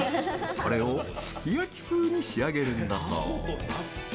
これを、すき焼き風に仕上げるんだそう。